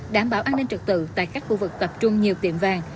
đảm bảo an ninh trực tự tại các khu vực tập trung nhiều tiệm vàng